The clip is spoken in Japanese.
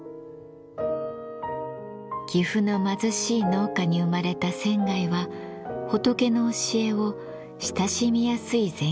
岐阜の貧しい農家に生まれた仙は仏の教えを親しみやすい禅画で描き庶民に与えました。